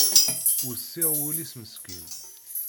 Wessiɛ wul-is meskin